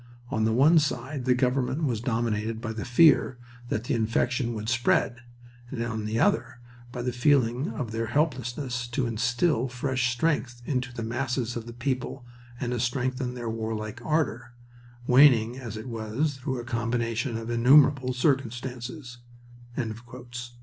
On the one side the government was dominated by the fear that the infection would spread, and on the other by the feeling of their helplessness to instil fresh strength into the masses of the people and to strengthen their warlike ardor, waning as it was through a combination of innumerable circumstances."